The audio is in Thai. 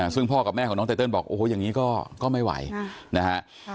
ซึ่งพ่อกับแม่ของน้องไตเติลบอกโอ้โหอย่างนี้ก็ไม่ไหวนะฮะ